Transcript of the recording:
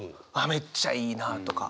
めっちゃいいなあとか。